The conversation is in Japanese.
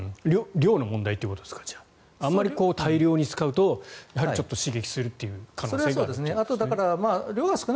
量の問題ということですかあんまり大量に使うとちょっと刺激するという可能性があるということですね。